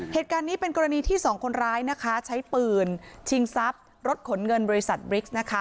เหตุการณ์นี้เป็นกรณีที่สองคนร้ายนะคะใช้ปืนชิงทรัพย์รถขนเงินบริษัทบริกซ์นะคะ